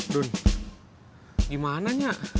dun gimana nya